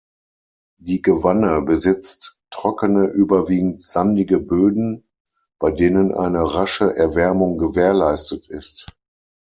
Die Gewanne besitzt trockene, überwiegend sandige Böden, bei denen eine rasche Erwärmung gewährleistet ist.